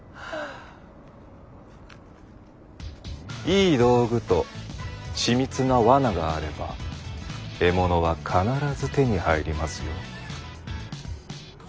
いい道具と緻密な罠があれば獲物は必ず手に入りますよ。